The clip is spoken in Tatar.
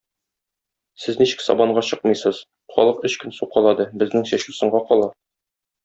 Сез ничек сабанга чыкмыйсыз, халык өч көн сукалады, безнең чәчү соңга кала.